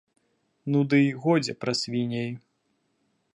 Ну дый годзе пра свіней.